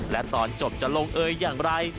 และตอนนี้จะจบอย่างไร